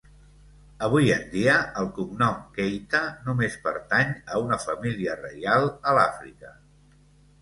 Avui en dia el cognom Keita només pertany a una família reial a l'Àfrica.